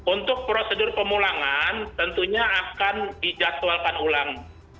untuk prosedur pemulangan tentunya akan dijadwalkan ulang